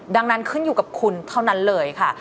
ดังนั้นขึ้นอยู่กับคุณเท่านั้นเลยค่ะ